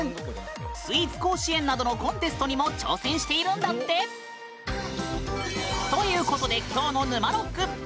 スイーツ甲子園などのコンテストにも挑戦しているんだって！ということできょうの「ぬまろく」！